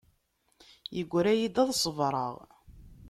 Yegra-yi-d ad ṣebṛeɣ.